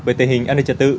về tình hình an ninh trật tự